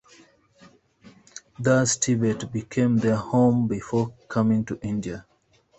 Thus Tibet became their home before coming to India.